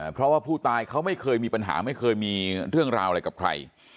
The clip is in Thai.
เพราะว่าผู้ตายเขาไม่เคยมีปัญหาไม่เคยมีเรื่องราวอะไรกับใคร